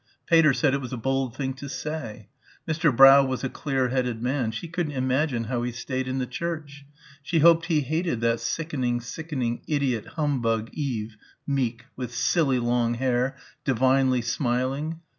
Pater said it was a bold thing to say.... Mr. Brough was a clear headed man. She couldn't imagine how he stayed in the Church.... She hoped he hated that sickening, sickening, idiot humbug, Eve ... meek ... with silly long hair ... "divinely smiling"